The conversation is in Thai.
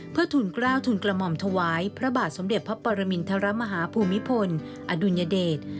เพื่อทุนกล้าวทุนกระหม่อมถวายพระบาทสมเด็จพระปรมินทรมาฮาภูมิพลอดุลยเดช